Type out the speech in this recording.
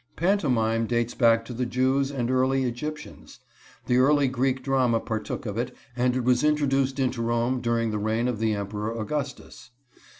Pantomime dates back to the Jews and early Egyptians. The early Greek drama partook of it, and it was introduced into Rome during the reign of the Emperor Augustus.